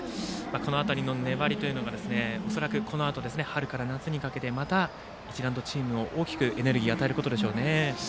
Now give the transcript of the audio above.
この辺りの粘りも恐らく、このあと春から夏にかけて、また一段とチームに大きくエネルギーを与えることでしょう。